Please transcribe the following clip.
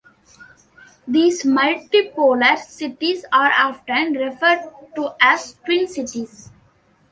These multi-polar cities are often referred to as twin cities.